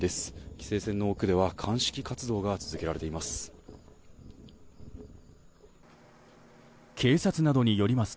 規制線の奥では鑑識活動が続けられています。